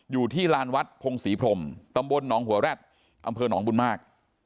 อยู่ที่ลานวัดพงศรีพรมตำบลหนองหัวแร็ดอำเภอหนองบุญมาก